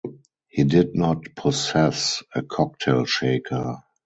He did not possess a cocktail-shaker.